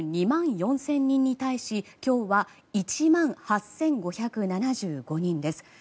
２万４０００人に対し今日は１万８５７５人です。